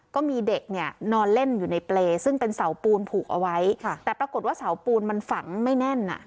ก็มีเด็กเนี่ยนอนเล่นอยู่ในเปรย์ซึ่งเป็นเสาปูนผูกเอาไว้แต่ปรากฏว่าเสาปูนมันฝังไม่แน่นอ่ะ